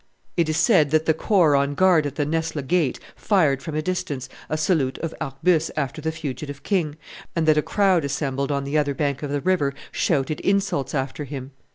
It is said that the corps on guard at the Nesle gate fired from a distance a salute of arquebuses after the fugitive king, and that a crowd assembled on the other bank of the river shouted insults after him.